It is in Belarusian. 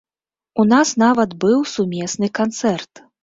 У нас нават быў сумесны канцэрт.